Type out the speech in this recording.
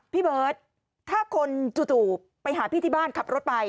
พี่เบิร์ตถ้าคนจู่ไปหาพี่ที่บ้านขับรถไป